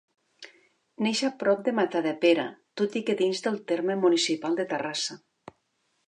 Neix a prop de Matadepera, tot i que dins del terme municipal de Terrassa.